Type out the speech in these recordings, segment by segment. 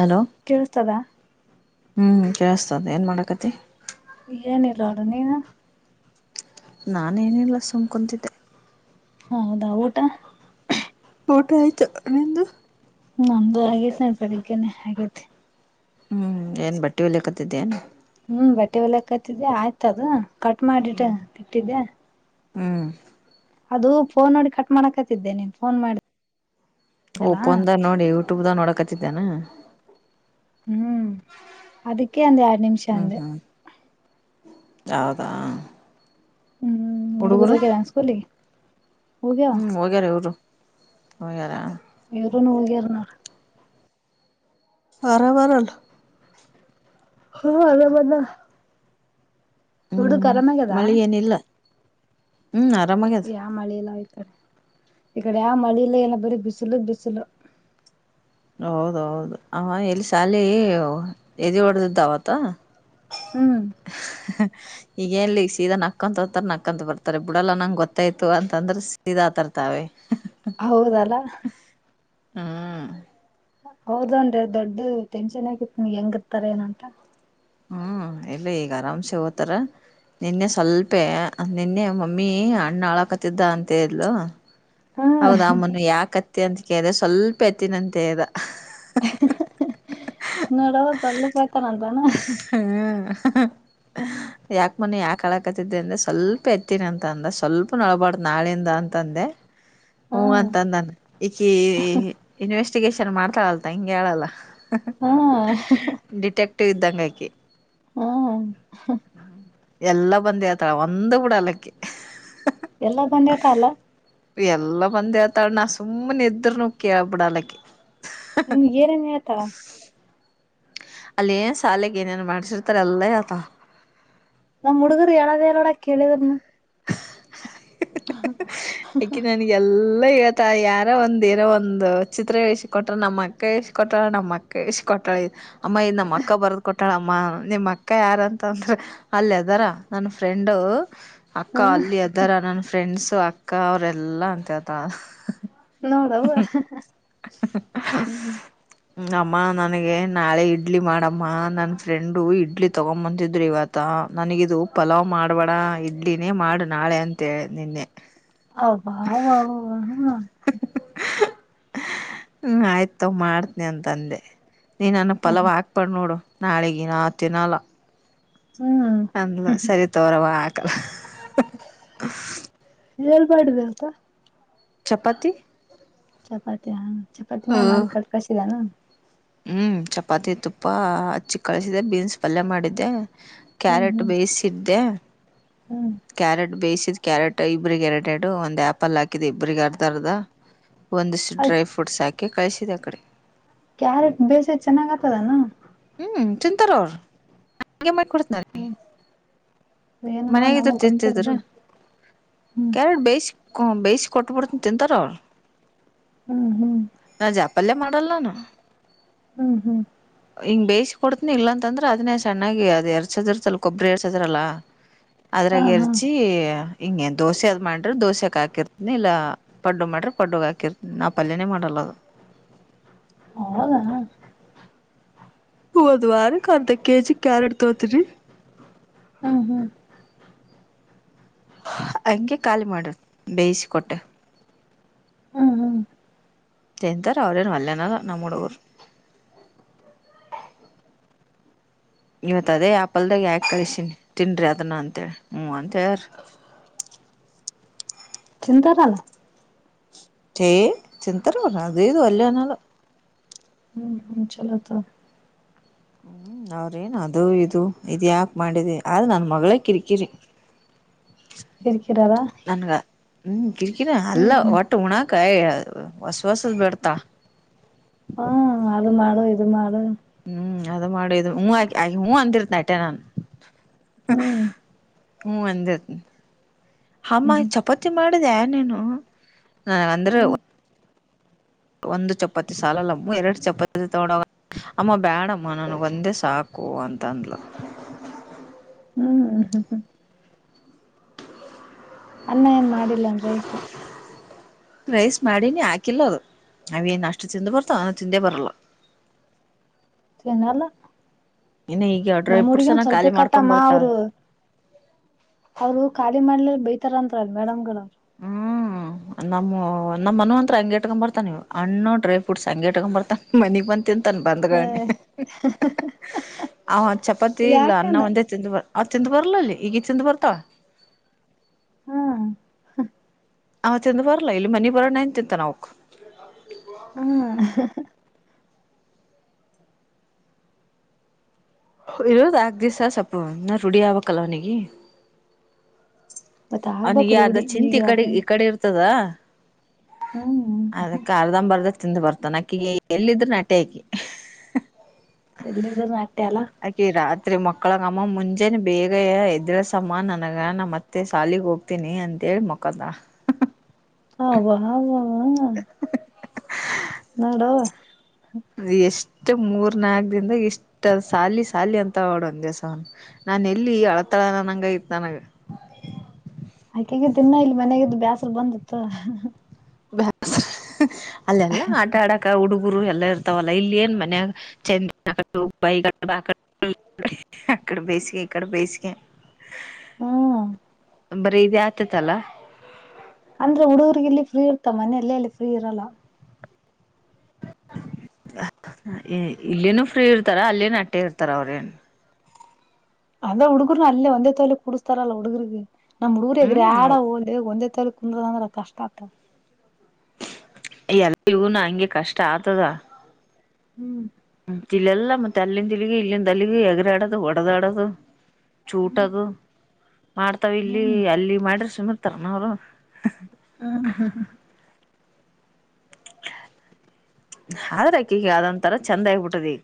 Hello ಕೇಳ್ಸ್ತದ ಹ್ಮ್ ಕೇಳಿಸ್ತದೆ ಏನು ಮಾಡಾಕತಿ ಇಏ ನೀ ಲಡನ ನ ನಾನೇಏನಿಲ್ಲ ಸುಮಕೊಂತಿದ್ದೆ ಹೌದಾ ಊಟ ಊಟ ಅಯ್ತು ನಿಂದ ಅನೆ ಹಾಗತ್ ಹ್ಮ್ ಏನ್ ಬಟ್ಟೆ ಹಲಿ ಕತಿದ್ದೇ ನ್ ಹ್ಮ್ ಬಟ್ಟೆ ಒಲ ಕತಿದ್ದಿ ಆಯ್ತ ಅದ ಕಟ್ ಮಾಡಿಟ್ಟ ಹ್ಮ್ ಇಟ್ಟಿದ್ದೆ ಹ್ಮ್ [inaudible] ಅದು ಫೋನ್ ನೋಡಿ ಕಟ್ ಮಾಡಾಕತ್ತಿದ್ದೆ ನೀನ್ ಫೋನ್ ಮಾಡ ಪ್ಪಂದ ನೋಡಿ ಊ ಟುಬ್್ದ ನೋಡಕ್ ಹಚ್ಚಿದ್ದಾನ ಹ್ಮ್ ಅದಕ್ಕೆೇ ಒಂದ ಎರಡು ನಿಮಿಷ ಅಂದ ಯಾವದ ಹ್ಮ್ ಹುಡುಗರೋಗ್ಯವೆನ್ಸ್ಕೂಲಿ ಹೋಗ್ಯಾವ ಹ ಯಾರ [unintelligible] ಇವರುೂ ನಲ್ಗೆಾರ ನಡು ಆರಾಮರಲ್ಲ ಹ್ಮ ಅದ ಮದ ಹುಡು ಹ್ಮ್ ಆರಾಮಗದಾ ಮಳಿ ಏನಿಲ್ಲ ಹ್ಮ್ ಆರಾಮಾಗ್ಯದ ಯ ಮಳಲ್ಲ ಈ ಕಡೆ ಈಕಡೆ ಯಾ ಮಳಲ್ಲ ಎಲ್ಲ ಬರಿ ಬಿಸಿಲು ಬಿಸಿಲು ಹೌದೌದು ಆ ಎಲ್ಲಿ ಶಾಲೆ ಎದಿ ಹೊಡೆ್ದ್ದವತ್ತ ಹ್ಮ್ ಈಗಏನ್ಲಿ ಈಗ ಸೀದಾ ನಕ್ಕಂತರ್ತಾರ ನಕ್ಕಂತ ಬರ್ತಾರೆ ಬಿಡಲ್ಲಾ ನಂಗ ಗೊತ್ತಾಯ್ತು ಅಂತಂದ್ರ ಸೀದಾ ತರ್ತಾವೆ ಹೌದಲ್ಲ ಹಾ ಹೌದನ್ಿ ದೊಡ್ಡ ಟೆನ್ಷನ್ ಆಗಿತ್ತು ಹೆಂಗಿರ್ತಾರ ಏನಂಟ ಹ್ಮ್ ಎಲ್ಲ ಈಗ ಆರಾಮ್ಸೆ ಹಓತಾರ ನಿನ್ನೆ ಸ್ವಲ್ಪೆ ನಿನ್ನೆ ಮಮ್ಮಿ ಅಣ್ಣ ಆಳಾಕತಿದ್ದ ಅಂತ ಹೇಳ್ಲು ಹಾ ಹೌದಮ್ಮನು ಯಾಕತ್ತ ಅಂತ ಕ್ರ ಸ್ವಲ್ಪ ಎತ್ತಿನಂತೆದ ನೋಡವ ಸಲ್ಲ ಸೇಳ್ತಾನಂತ ಹ್ಮ ಯಾಕ ಮನೆ ಯಾಕ ಕಳಕತ್ತಿದ್ದೆ ಅಂದೆ ಸ್ವಲ್ಪ ಎತ್ತಿನಿ ಅಂತಂದ್ರೆ ಸ್ವಲ್ಪ ನೋಳ್ಬಾರ್ದು ನಾಳಿಂದ ಅಂತಂದೆ ಹಾ ಹ್ಮ ಅಂತ ನಾನ ಈಕ ಇನ್ ವೆಸ್ಟಿಗೇಷನ್ ಮಾಡ್ತಾಳಲ್ತಾ ಹಿಂಗೆ ಹೇಳಲ್ಲ ಹಾ ಟೆಕ್ ಎಟ್ಟ ಇದುದ್ದಂಗಕಿ ಹಾ ಹ್ಮ್ ಎಲ್ಲ ಬಂದ ಆತರ ಒಂದು ಕೂಡ ಅಲ್ಲಕ್ಕ ಎಲ್ಲ ಬಂದೇತ ಅಲ್ಲ ಎಲ್ಲ ಬಂದ ಹೇಳ್ತಾಳ ನಾ ಸುಮ್ಮನಿದ್ರ ನೋ ಕ ಬಿಡಾಲಕ್ಕೆ ಹ್ಮ್ ಏರನ್ ಆತ ಅಲ್ಲಿ ಸಾಲೆಗೆ ಏನೇನ್ ಮಾಡ್ಸಿರ್ತಾರೆ ಅಲ್ಲೇ ಆತ ನಮ್ಮ್ ಹುಡುಗರು ಹೇಳದ ಹೇಳ ನೋಡ ಕೇಳಿದ್ರ್ನು ಕ ನನಗೆ ಎಲ್ಲ ಇಲ್ಲ ಇವತ್ತ ಯಾರೋ ಒಂದ ಇರೋ ಒಂದುಚಿತ್ರ ಇಷ್ಟ ಕೊಟ್ರ ನಮ್ಮಕ್ಕ ಇಷ್ಟ ಕೊಟ್ಟಳ ನಮ್ಮಕ್ಕ ಇಷ್ಟ ಕೊಟ್ಟಳೆ ಇ ಅಮ್ಮ ನಮ್ಮ ಅಕ್ಕ ಬರ್ದ್ ಕೊಟ್ಟು ಕೊಟ್ಟಳಮ್ಮ ನಿಮ್ಮ ಅಕ್ಕ ಯಾರ ಅಂತ ಅಂದ್ರ ಅಲ್ಲದಾರ ನನ್ ಫ್ರೆಂಡು ಅಕ್ಕ ಹ್ಮ ಅಲ್ಲಿ ಅದರ ನನ್ ಫ್ರೆಂಡ್ಸ ಅ ಅಕ್ಕ ಅವರೆೆಲ್ಲಾ ಅಂತತ ನೋದ ಹ ಹ್ಮ ಹ ಅಮ್ಮ ನನಗೆ ನಾಳೆ ಇಡ್ಲಿ ಮಾಡಮ್ಮ ನನ್ನ ಫ್ರೆಂಡು ಇಡ್ಲಿ ತಗೊ ಬಂತಿದ್ರು ಇವತ್ತ ನನಗಿದದು ಪಲಾವ್ ಮಾಡ್ಬೇಡ ಇಡ್ಡಿನೇ ಮಾಡು ನಾಳೆ ಅಂತೇಳಿ ನಿನ್ನೆ ಅವ ಹ್ಮ [inaudible] ಹ್ಮ ಆಯ್ತವ ಮಾಡ್ತನಿ ಅಂತಂದೆ ನೀ ನನ್ನ ಪಲವ ಹಾಕ್ಬಾರು ನೋಡು ನಾಳೆಗೆ ನತ್ತಿನಳ ಹ್ಮ್ ಅಂದಲ ಸರಿ ತೋರಾವ ಆಕಲ ಮಾಡಡುದ ಅಂತ ಚಪಾತಿ ಚಪಾತಿಯ ಹಾ ಚಪಾತಿನೇ ಮಾಡಿ ಕಳ್ ಕಳ್ಸಿದಾನ ಹ್ಮ್ ಚಪಾತಿ ತುಪ್ಪ ಹಚ್ಚಿ ಕಳಸಿದೆೆ ಬೀನ್ಸ್ ಪಲ್ಯ ಮಾಡಿದ್ದೆ ಹ್ಮ್ ಕ್ಯಾರೆಟ್ ಹ್ಮ್ ಬೇಯಿಸಿದ್ದೆ ಹ್ಮ್ ಕ್ಯಾರೆಟ್ ಬೇಯಿಸಿ ಕ್ಯಾರೆಟ್ ಇಬ್ರ ಕ್ಯಾರೆಟ್ ಎಡು ಒಂದು ಆ್ಯಪಲ್ ಹಾಕಿದ ಇಬ್ರ ಅರ್ಧ ಅರ್ಧ ಒಂದಿಷ್ಟ ಅದ್ ಡ್ರೈ ಫ್ರೂಟ್ಸ್ ಹಾಕಿ ಕಳಿಸಿದೆ ಅ ಕಡೆ ಕ್ಯಾರೆಟ್ ಬೇಸಿ ಚೆನ್ನಾಗತದನಾ ಹ್ಮ ಚಿಂತಾರೋರ್ ಹಾಗಗೆ ಮಾಡಕೊಡತನೀ ಹ್ಮ್ ಏನೋ ಮನ್ಗಿದ್ರ ನಮಗ್ ತಿಂತಿದ್ರ ಗೊತ್ತಿರ್ಬೋದು ಹ್ಮ್ ಕ್ಯಾರೆಟ್ ಬೇಯಿಸ ಕ ಬೇಯಿಸಿ ಕೊಟ್ಟಬಡ್ತನಿ ತಿಂತಾರ ಅವ್ರು ಹ್ಮ್ ಹ್ಮ್ ಅಲ್ಲೆ ಮಾಡಲ್ಲಾನು ಹ್ಮ್ ಹ್ಮ್ ಕೊಡ್ತನಿ ಇಲ್ಲ ಅಂತಂದ್ರೆ ಅದನ್ನೇ ಸಣ್ಣಾಗಿ ಅದು ಎರ್ಸಿದ್ರರು ಸ್ವಲ್ ಕೊಬ್ಬರು ಎರ್ಸಿದ್ರಲ್ಲ ಹಾ ಅದ್ರಗೆ ಹಾ ಎರಿಚಿ ಹಿಂಗೆ ದೋಸೆ ಅ್ ಮಾಡ್ರೆ ದೋಸೆಕ್ ಹಾಕಿರ್ತನಿ ಇಲ್ಲ ಪಡ್ಡು ಮಾಡ್ರಿ ಪಡ್ಡಗೆ ಹಾಕಿರ್ತನಿ ನಾವು ಪಲ್ಯನೇ ಮಾಡಲ್ಲದು ಹದಾ ಹದು ವಾರಕ್ಕೆ ಅರ್ಧ ಕೆಜಿ ಕ್ಯಾರೆಟ್ ತೋತರಿ ಹ್ಮ್ ಹ್ಮ್ ಹಂಗೆ ಖಾಲಿ ಮಾಡುದು ಬೇಯಿಸಿಕೊಟ್ಟೆ ಹ್ಮ್ ಹ್ಮ ತಿಂತಾರ ಅವ್ರೇನ್ ಅಲ್ಲೇನಲ್ಲ ನಮ್ಮ ಹುಡುಗರು ಇವತ್ ಅದೇ ಆಪಲ್ದಾಗ ಯಾಕ ಕಳಸಿನಿ ತಿನ್್ರಿ ಅದನ್ನ ಅಂತೇಳಿ ಹ್ಮ್ ಅಂತ ಹೇಳಾರ ಚಿಂತಾರಾನ ಚ ಚಿಂತರ ಅದೇದು ಅಲ್ಲನಲ್ಲ ಚಲತ ಹ್ಮ್ ಅವ್ರೇನ್ ಅದು ಇದು ಇದ ಯಾಕ ಮಾಡಿದೆ ಆದ್ರ ನನ್ ಮಗಳೇ ಕಿರಿಕಿರಿ ಕಿರ್ಕ್ರಾರಾ ನನ್ಗ ಹ್ಮ್ ಕಿರ್ಕಿನ ಅಲ್ಲ ಒಟ್ಟು ಹಣಕಾಯ ಹೊಸವಸ ಬೆಡ್ತಾ ಹಾ ಅದು ಮಾಡೋಯ್ ಮಾಡಳ ಹ್ಮ್ ಅದ ಮಾಡದು ಹೂ ಹೂ ಅಂದಿರ್ತನ ಟೆ ನಾನ್ ಹ್ಮ್ ಹ್ಮ್ ಅಂದ ಹಮ್ಮ ಹ್ಮ್ ಚಪಾತಿ ಮಾಡಿ ಮಾಡಡದ ನೀನು ನಾ ಅಂದರಾ ಹ್ಮ್ ಹ್ಮ್ ಒಂದು ಚಪಾತಿ ಸಾಲಲಮ್ಮ ಎರಡು ಚಪಾತಿ ತೊಗೊಂಡ ಅಮ್ಮ ಬ್ಯಾಡಮ್ಮ ನನಗೆ ಒಂದೇ ಸಾಕು ಅಂತಂದ್ಲು ಹ್ಮ್ ಹಾ ಹ ಹ. ಅನ್ನ ಏನ್ ಮಾಡಿಲ್ಲನ್ ರೈಸ. ರೈಸ್ ಮಾಡಿನಿ ಹಾಕಿಲ್ಲ ಅದು ನಾವೇನ್ ಅಷ್ಟು ತಿಿಂದ ಬರ್ತಾವ ಅವನು ತಿಂದೆ ಬರಲ್ಲ. ತಿನ್ನಲ್ಲ ಇನ್ನು ಈಗ ಡ್ರೈ ನಮ್ಮ ಫ್ರೂಟ್ಸ್ ಹುಡ್ಗೀನು ಅನ್ನ ಸ್ವಲ್ಪೇ ಖಾಲಿ ಮಾಡ್ಕೊಂಡ್ ಕಟ್ಟಮ್ಮ ಬರ್ತಾಳ ಅವರು. ಅವ್ರು ಖಾಲಿ ಮಾಡ್ಲ ಬೈತಾರಂತಲ್ ಮೇಡಮ್ಗೋಳ. ಹ್ಮ್ ನಮ್ಮ ನಮ್ಮ ಮನು ಅಂತ್ರ ಹಂಗೆ ಇಟ್ಕೊಂಡ್ ಬರ್ತಾ ನೀವ್ ಹಣ್ಣು ಡ್ರೈ ಫ್ರೂಟ್ಸ್ ಹಂಗೆ ಇಟ್ಕೊಂಡ್ ಬರ್ತಾ ಮನಿಗ್ ಬಂದ. ತಿಂತಾನ ಬಂದ್ಗ್ಣಿ ಹಹ ಅವ ಚಪಾತಿ ಇಲ್ಲ ಅನ್ನ ಯಾಕನ ಒಂದೇ ತಿಂದ ಆ್ ಚಿಂದ ಬರ್ಲಲ್ಲಿ ಈಗ ಚಿಂದ ಬರ್ತಾವ. ಹ್ಮ. ಆ ತಿಂದು ಬರಲ್ಲ ಇಲ್ಲಿ ಮನಿ ಬರೋಣ ನ್ ತಿಂತ ನ ಅವಕ್. ಹ್ಮ್ ಹಹಹ ಇರೋದ ಆಕ್ ದಿವ್ಸ ಸೊಪ್ಪ ನಾ ರುಢ ಆಬಕ್ಲ್ಲ ಅವನಿಗೆ. ಮತ್ತ ಆಗ್ಬಕ್ ಅವನಿಗೆ ಯಾರ್ದ ರೂಢಿ ಈಗ ಚಿಂತ ಈ ಕಡೆ ಯಾರ್ದ ಈ ಕಡೆ ಇರ್ತದ. ಹ್ಮ್ ಅದ ಕಲ್ದ ಅರ್ದ ಬರ್ದ. ತಿಂದ ಬರ್ತಾನ ಅಕ್ಕಿಗ ಎಲ್ಲಿದ್ರೂನು ಅಟ್ ಆಕಿ. [unintelligible] ತ್ರಿ ಮಕ್ಳಗಮ್ಮ ಮುಂಜೆಾನ ಬೇಗ ಇದದ್ರಸಮ್ಮ ನನಗ ನ ಮತ್ತೆ. ಶಾಲಿಗೆ ಹೋಗ್ತೀನಿ ಅಂತೇಳಿ ಮಕ್ಕೋತಾಳ. ಅವಾ ವಾ. ನೋಡವಾ. ಎಷ್ಟ ಮೂರ್ ನಾಲ್ಕ ದಿಂದ ಇಷ್ಟದ್ ಸಾಲಿ ಸಾಲಿ ಅಂತ ಒಡ ಒನ್ ದಸನ್ ನಾನ ಎಲ್ಲಿ ಅಳತಳನನಂಗಗತ್ ನನಗ. ಬಂದಿತ್ತು. [inaudible] ಅಲ್ಲೆಲ್ಲ ಆಟ ಆಡಕ ಹುಡುಗರು ಎಲ್ಲ ತಾವಲ್ಲ ಇಲ್ಲಿ ಏನ್ ಮನೆಯ ಚಂದಬಗ ಅಡೆ ಬೇಸ್ಗೆ ಇಡೆ ಬೇಸ್ಗೆ. ಹ್ಮ್ ಬರೀ ಇದೇ ಆಯ್ತ್ [unintelligible] ಅಂದ್ರೆ ಹುಡುಗರ್ಗ ಇಲ್ಲಿ ಫ್ರೀ ಇರ್ತ ಮನ ಅಲ್ಲೆ ಅಲ್ಲಿ ಫ್ರೀ ಇರಲ್ಲ. ಇಲ್ಲಿನ ಫ್ರೀ ಇರ್ತಾರ ಅಲ್ಲಿನ ಅಟ್ಟೆ ಇರ್ತಾರ ಅವ್ರೇನು. ಅಂದ್ರ ಹುಡುಗರ್ರುನು ಅಲ್ಲೇ ಒಂದೇ ತಲೆ ಕುೂಡಸ್ತಾರಲ್ಲ ಹುಡುಗರಿಗೆ. ನಮ್ ಊರಗ್ರ ಹ್ಮ್ ಆಡ ಹೋಲ್ ಒಂದ ಕುತ್ತಲ್ಲೇ ಕುಂದ್ರೋದ ಅಂದ್ರ ಕಷ್ಟ ಆತದ. ಎಲ್ಲ ಇವನು ಹಂಗೆ ಕಷ್ಟ ಆತದ. ಹ್ಮ್. ಇಲೆ ಎಲ್ಲಾ ಮತ್ತೆ ಅಲ್ಲಿಂದ ತಿಲಗ ಇಲ್ಲಿಂದ ಅಲ್ಲಿಗ ಹೆಗರಿ ಆಡದು ಹೊಡದ ಆಡೋದು. ಹ್ಮ್ ಚೂಟದು. ಮಾಡ್ತಾವ ಇಲ್ಲಿ ಅಲ್ಲಿ ಮಾಡ್ರಿ ಸುಮ ತ್ತನ ಅವರು. ಹಾ ಹ ಹಾ ಹ ಆದ್ರಕ ಈಗ ಅದೊತರ ಚಂದ ಆಗ್ಬಿಟ್ಟದ ಈಗ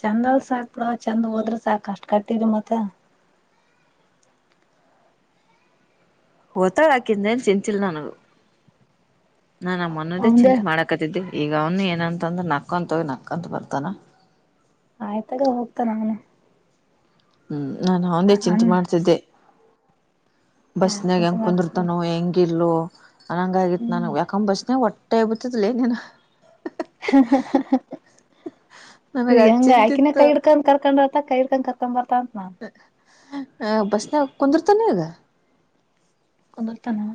ಚಂದ ಅಲ್ ಸಾಕ್ ಬಿಡುವ ಚಂದ ಹೋದ್ರ ಸಾಕ ಅಷ್ಟ್ ಕಟ್ಟಿದ್ರಿ ಮತ್ತ ಹತಾ ರಾಕಿಂದನು ಚಿಂಚಿಲ್ಲ ನಾನಗ ನಾನ್ ನಮ್ಮ ಮೊದೇ ಅವಂದೇ ಚಿಂತೆ ಮಾಡಾಕತ್ತಿದ್ದೆ ಈಗ ಅವನು ಏನಂತಂದ್ರೆ ನಕ್ಕಂತ ಹೋಗಿ ನಕ್ಕಂತ ಬರ್ತಾನ ಆಯ್ತಾಗ ಹೋಗ್ತ ನ ಅವನು ಹ್ಮ್ ನಾು ಅವಂದೇ ಚಿಂತೆ ಅಣ್ಣ ಮಾಡ್ತಿದ್ದೆ ಯಾಕ್ ಬಸ್ನಾಗ ಚಿಂತೆ ಹೆಂಗ ಮಾಡ್ತಿ ಕುಂದಿರ್ತಾನೋ ಹೆಂಗಿ ಹಲೋ [unintelligible] ಅನಂಗ ಆಗತ್ತು ಹ್ಮ್ ನು ಯಾಕಂಬ ಬಸನೆ ಒಟ್ಟ [unintelligible] ಟೈಬತ್ತೆಲ್ಲೇನೆ [unintelligible] ಹ ನನಗ [inaudible] ಅದ್ ಹೆಂಗ ಆಯಕಿನ ಚಿಂತಿತ್ತು ಕೈ ಹಿಡ್ಕೊಂಡ ಕರ್ಕೊಂಡತ ಕೈ [unintelligible] ತ್ತ [unintelligible] ತಾಪಮಾನ [unintelligible] ಆ ಬಸ್ನ ಕುಂದರ್ತಾನೆಗ [unintelligible] ಕುಂದರ್ತಾನ [unintelligible]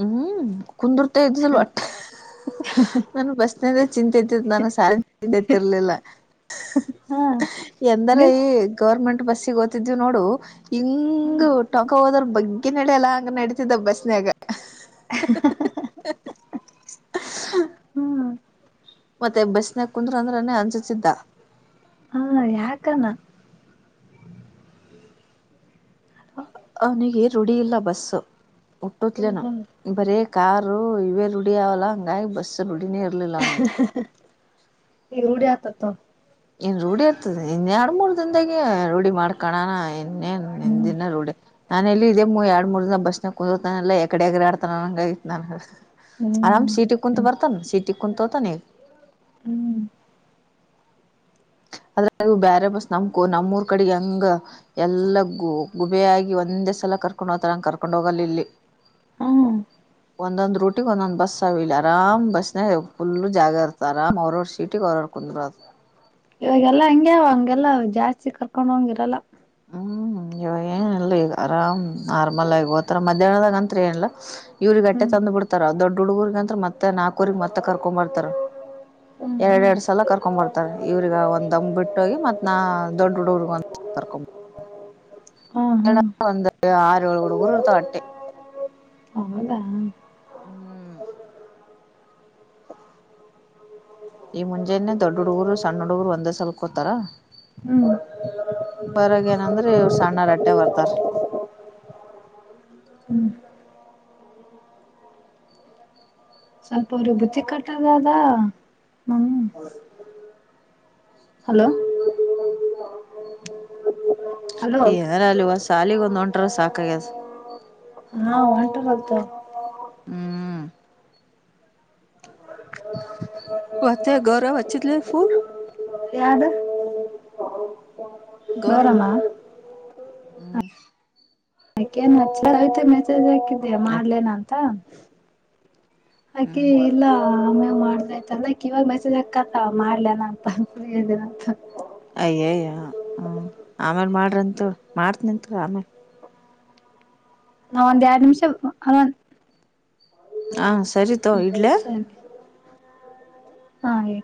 ಹ್ಮ್ [unintelligible] ಕುಂದರ್ತ ಇದಲ್ ಒಟ್ಟೆ ನನ್ ಬಸ್ನದ ಚಿಂತೆತ್ತ ನಾನು ಸತಿರ್ಲಿಲ್ಲ ಹಾ ಎಂದರ ನಿನ್ ಈ ಗೌರ್ಮೆಂಟ್ [unintelligible] ಬಸ್ಸಿಗೆ ಓತಿದ್ವಿ ನೋಡು [unintelligible] ಹಿಂಗ ಹ್ಮ್ ಟೊಕ ಹೋದರ್ [unintelligible] ಬಗ್ಗೆ ನಡೆಯಲ್ಲ ಹಂಗ ನಡೀತಿದ್ದ ಬಸ್ನಾಗ [unintelligible] ಹ್ಮ್ [inaudible] ಮತ್ತೆ ಬಸ್ನಾಗ ಕುಂದ್ರ ಅಂದ್ರನೇ ಅನ್ಜಸಿದ್ದ [inaudible] ಹಾ ಯಾಕನಾ [inaudible] ಅವನಗೀರ್ [inaudible] ಜೃಢಿಯಿಲ್ಲ ಬಸ್ಸು [unintelligible] ಒುತ್ ಹ್ಮ್ ನ ಹ್ಮ್ ಬರ [inaudible] ಕಾರು ಇವೇ ರುಢಿ ಅವಲ್ಲ ಹಂಗಾಗಿ ಬಸ್ ರಡಿ [inaudible] ಅೇ ಇರಲಿಲ್ಲ ನೀ [unintelligible] ಎರುಢಿ ಆತತ [unintelligible] ಇನ್ ರೂಢಿ ಇರ್ತದೆ ಇನ್ ಎರಡ್ ಮೂರ್ ದನ್ದಾಗೆ ರೂಢಿ ಮಾಡ್ಕಣಣ ಇನ್ನೇ ಹ್ಮ್ ನಿಂದಿನ ರೂಢ ನಾನ ಎಲ್ಲಿ ಇದೇ ಎರಡ್ ಮೂರ್ ದಿನ ಬಸ್ನ ಕೂತಾನ ಎಲ್ಲ ಎಕಡೆ ಎಗಡೆ ಆಡ್ತಾನಂಗಐತ್ ನನ್ [unintelligible] ಆರಾಮ್ ಹ್ಮ್ ಸಿೀಟಿ ಕುಂತತ್ ಬರ್ತಾನ ಸಿೀಟಿ ಕುಂತ ಹತಾನ ಹ್ಮ್ ಆದದ್ರವು ಬ್ಯಾರೆ ಬಸ್ ನಮಕೋ ನಮ್ಮೂರ್ ಕಡೆ ಹೆಂಗ ಎಲ್ಲ ಗು ಗುಬ ಆಾಗಿ ಒಂದೇ ಸಲ ಕರ್ಕೊಂಡ್ ಹೋಗತಾರಂಗ ಕರ್ಕೊಂಡ್ ಹೋಗಲಿ ಇಲ್ಲಿ ಹ್ಮ್ ಒಂದೊಂದು ರೂಟಿ ಒಂದೊಂದು್ ಬಸ್ ಆರಾಮ ಬಸ್ನ ಫುಲ್ ಜಾಗ ಇರ್ತ ಅ ಆರ್ ಅವ್ರವ್ರ ಸೀಟಿಗೆ ಅವ್ರವರ್ ಕುಂದರು ಅ ಇವಾಗಲ್ಲಾ ಹಂಗೆ ಹಂಗೆಲ್ಲ ಜಾಸ್ತಿ ಕರ್ಕೊಂಡ್ ಹಂಗಿರಲ್ಲ ಹ್ಮ್ ಇವಾಗ ಏನಲ್ಲ ಈಗ ಆರಾಮ್ ನಾರ್ಮಲ್ ಆಗ ಹೋತಾರ ಮಧ್ಯಾಹ್ನದಾಗ ಅತ್ರಿ ಏನಲ್ಲ ಇವರುಗಟ್ಟ ಹ್ಮ್ ತಂದು ಬಿಡ್ಾರ ದೊಡ್ಡ ಹುಡುಗರ್ಗ ಅಂತ ಮತ್ತೆ ನಾಲ್ಕೂರಿಗೆ ಮತ್ತೆ ಕರ್ಕೊಂಡ್ ಬರ್ತಾರ ಹ್ಮ್ ಎರಡ್ ಹ್ಮ್ ಎರಡ್ ಸಲ ಕರ್ಕೊಂಡ್ ಬರ್ತಾರೆ ಇವ್ರಗ ಒಂದಂಬ್ ಬಿಟ್ಟೋಗಿ ಮತ್ ನಾ ದೊಡ್ಡ ಹುಡುಗರ್ಗ ಕರ್ಕೊಂಡ್ ಬರ್ತಾರಾ ಹಾ ಹಾ ಡ ಒಂದ ಆರು ಅವಳೋಡ ಊರುತ ಅಟ್ಟೆ [unintelligible] ಹೌದಾ ಹ್ಮ್ ಹ ಈ ಮುಂಜೆಾನೆ ದೊಡ್ಡ ಹುಡುಗರು ಸಣ್ಣ ಹುಡುಗರು ಒಂದೇ ಸಲ್ಕೋತಾರ ಹ್ಮ್ ಸ್ವಲ್ಪ ಅವ್ರ ಬುತ್ತಿ ಕಟ್ಟದ ಅದ ಮ್ಮ ಹಲೋ ಹಲೋ ಯಾರಲ್ಲಿುವ ಸಾಲಿಗೆ ಒಂದು ಹೊಂಟರ ಸಾಕಾಗ್ಯದು ಹಾ ಒಂಟಾರದು ಹ್ಮ್ ಹ ಅತ್ತೆ ಗೌರವ ಹಚ್ಚಿದ್ದೇನೆ ಫೋನ್ ಯಾವ್ದ ಗೌರಮ್ಮ ಹ್ಮ್ ಯಾಕೆ ನಚ್ಚಳಿ ಐತೆ ಮೆಸೇಜ್ ಯಾಕೆ ಯ ಮಾಡ್ಲೇನ ಅಂತ ಹಾಕಿ ಹ್ಮ್ ಇಲ್ಲ ಆ ಆಮೇ ಮಾಡ್ದಾಯ್ತಲ್ಲಾಕ್ ಇವಾಗ ಮೆಸೇಜ್ ಹಾಕತ ಮಾಡ್ಲನ ಅಂತೇನಂತ [unintelligible] ಏಯ ಹ ಆಮೇಲ್ ಮಾಡ್ರಂತ ಮಾಡ್ತನಂತ ಆಮೇಲ್ ನ ಒಂದ ಯಾಡ್ ನಿಮಿಷ ಅ ಹ ಸರಿ ತೋ ಇಡ್ಲ ಹಾ ಹೇಳ